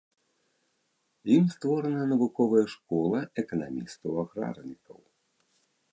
Ім створана навуковая школа эканамістаў-аграрнікаў.